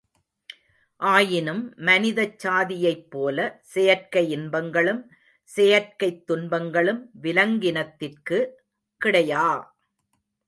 ஆயினும் மனிதச் சாதியைப்போல செயற்கை இன்பங்களும் செயற்கைத்துன்பங்களும் விலங்கினத்திற்கு கிடையா!